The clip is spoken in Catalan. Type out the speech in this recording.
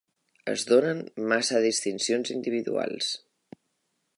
Es donen massa distincions individuals.